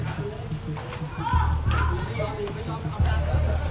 สวัสดีครับ